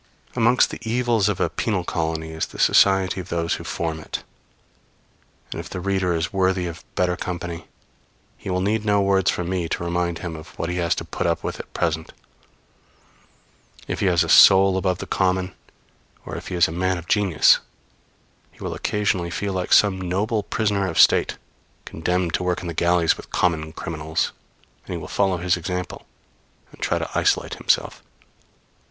Amongst the evils of a penal colony is the society of those who form it; and if the reader is worthy of better company, he will need no words from me to remind him of what he has to put up with at present. If he has a soul above the common, or if he is a man of genius, he will occasionally feel like some noble prisoner of state, condemned to work in the galleys with common criminals; and he will follow his example and try to isolate himself.